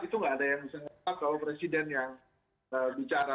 itu nggak ada yang bisa ngecek kalau presiden yang bicara